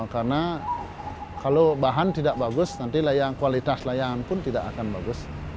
kalau bahan tidak bagus nanti layang kualitas layangan pun tidak akan bagus